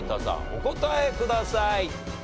お答えください。